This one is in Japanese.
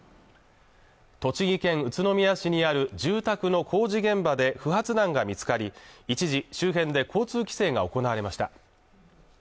栃木県宇都宮市にある住宅の工事現場で不発弾が見つかり一時、周辺で交通規制が行われました